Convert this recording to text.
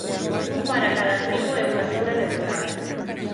un para cada tribo e unha zona neutral.